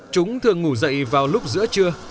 chúng thường ngủ dậy vào lúc giữa trưa